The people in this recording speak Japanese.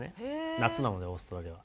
夏なのでオーストラリアは。